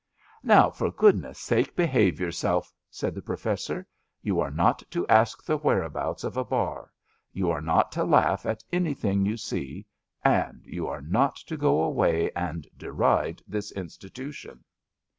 Now, for goodness' sake, behave yourself," said the Professor. " You are not to ask the whereabouts of a bar. You are not to laugh at anything you see, and you are not to go away and deride this Institution.''